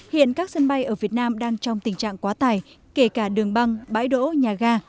hiện các sân bay ở việt nam đang trong tình trạng quá tải kể cả đường băng bãi đỗ nhà ga